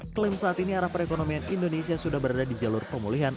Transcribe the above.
klaim saat ini arah perekonomian indonesia sudah berada di jalur pemulihan